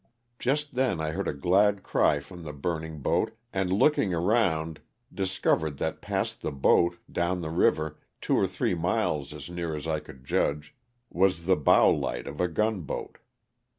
Just then I heard a glad cry from the burning boat and looking around discovered that past the boat, down the river, two or three miles as near as I could judge, was the bow light of a gun boat.